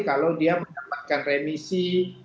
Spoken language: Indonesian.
kalau dia mendapatkan remisi